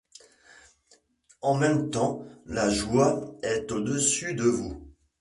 En même temps la joie est au-dessus de vous ;